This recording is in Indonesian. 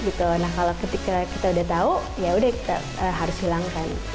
kalau ketika kita sudah tahu ya sudah kita harus hilangkan